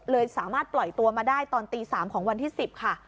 สามารถปล่อยตัวมาได้ตอนตี๓ของวันที่๑๐ค่ะ